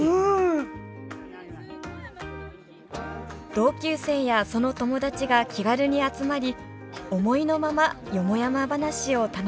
同級生やその友達が気軽に集まり思いのままよもやま話を楽しめる庭。